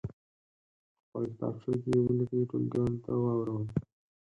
په خپلو کتابچو کې یې ولیکئ ټولګیوالو ته واوروئ.